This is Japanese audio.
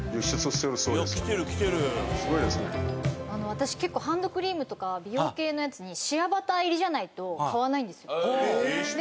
私結構ハンドクリームとか美容系のやつにシアバター入りじゃないと買わないんですよで